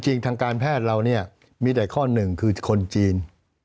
ทางการแพทย์เราเนี่ยมีแต่ข้อหนึ่งคือคนจีน